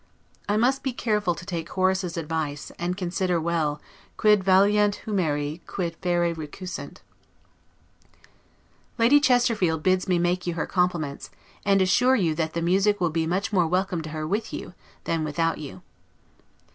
I must be careful to take Horace's advice, and consider well, 'Quid valeant humeri, quid ferre recusent'. Lady Chesterfield bids me make you her compliments, and assure you that the music will be much more welcome to her with you, than without you.